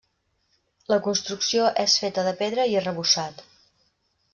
La construcció és feta de pedra i arrebossat.